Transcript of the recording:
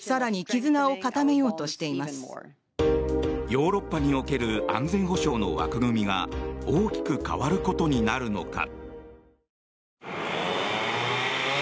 ヨーロッパにおける安全保障の枠組みが大きく変わることになるのか。